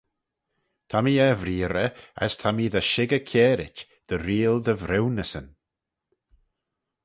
Ta mee er vreearrey, as ta mee dy shickyr kiarit: dy reayll dty vriwnyssyn.